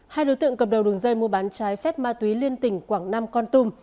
hai đối tượng cầm đầu đường dây mua bán trái phép ma túy liên tỉnh quảng nam con tum